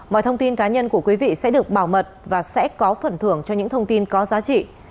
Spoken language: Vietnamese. mọi thông tin cá nhân của quý vị sẽ được bảo mật và sẽ có phần thưởng cho những thông tin có giá trị